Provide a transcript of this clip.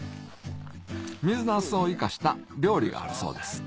水なすを生かした料理があるそうです